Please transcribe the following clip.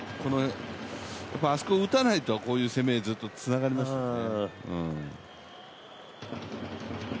あそこを打たないと、こういう攻めはずっと続きますよね。